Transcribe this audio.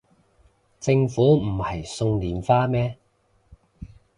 政府唔係送連花咩